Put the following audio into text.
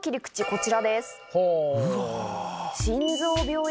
こちらです。